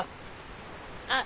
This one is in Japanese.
あっ。